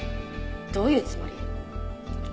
どういうつもり？